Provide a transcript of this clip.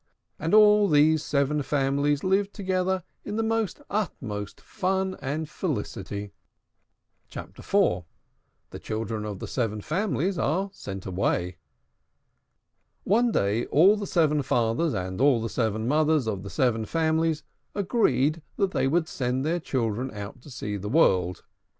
And all these seven families lived together in the utmost fun and felicity. CHAPTER IV. THE CHILDREN OF THE SEVEN FAMILIES ARE SENT AWAY. One day all the seven fathers and the seven mothers of the seven families agreed that they would send their children out to see the world.